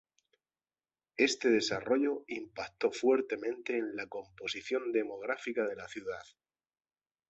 Este desarrollo impactó fuertemente en la composición demográfica de la ciudad.